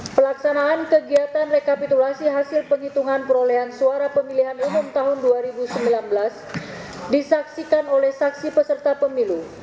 pelaksanaan kegiatan rekapitulasi hasil penghitungan perolehan suara pemilihan umum tahun dua ribu sembilan belas disaksikan oleh saksi peserta pemilu